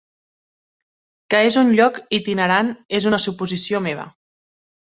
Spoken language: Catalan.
Que és un lloc itinerant és una suposició meva.